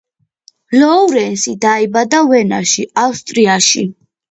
ლოურენსი დაიბადა ვენაში, ავსტრიაში.